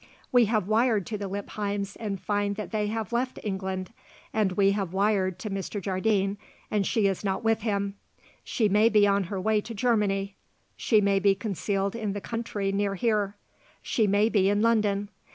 "We have wired to the Lippheims and find that they have left England. And we have wired to Mr. Jardine, and she is not with him. She may be on her way to Germany; she may be concealed in the country near here; she may be in London.